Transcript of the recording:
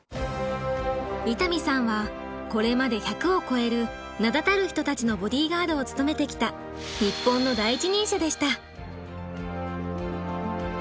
伊丹さんはこれまで１００を超える名だたる人たちのボディーガードを務めてきた日本の第一人者でした。